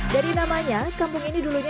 dari namanya kampung ini dulunya